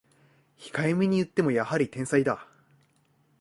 控えめに言ってもやはり天才だ